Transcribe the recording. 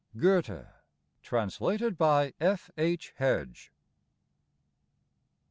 Goethe. Translated by F. H. Hedge.